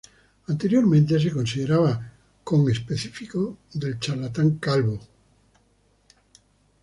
Anteriormente se consideraba conespecífico del charlatán calvo.